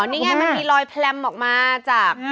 นี่ไงมันมีรอยแพลมออกมาจาก